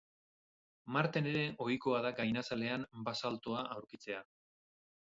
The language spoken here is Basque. Marten ere ohikoa da gainazalean basaltoa aurkitzea.